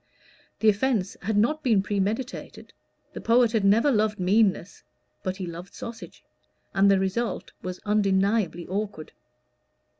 The offence had not been premeditated. The poet had never loved meanness, but he loved sausage; and the result was undeniably awkward.